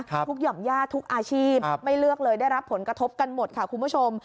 หย่อมย่าทุกอาชีพไม่เลือกเลยได้รับผลกระทบกันหมดค่ะคุณผู้ชม